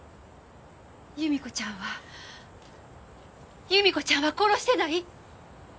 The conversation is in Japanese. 祐美子ちゃんは祐美子ちゃんは殺してない。